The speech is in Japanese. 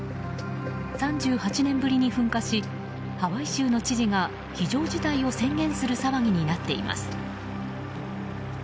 ３８年ぶりに噴火しハワイ州の知事が非常事態を宣言する騒ぎになっています。